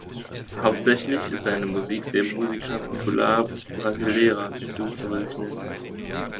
Hauptsächlich ist seine Musik der Musica popular brasileira zuzurechnen.